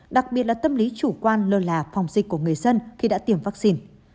đặc biệt là tâm lý chủ quan lơ là phòng dịch của người dân khi đã tiêm vaccine